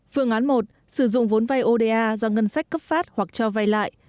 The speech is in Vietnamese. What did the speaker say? phương án một sử dụng vốn vay oda do ngân sách cấp phát hoặc cho vay lại